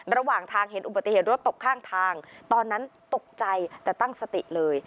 ระหว่างทางเห็นอุบัติเหตุรถตกข้างทางตอนนั้นตกใจแต่ตั้งสติเลย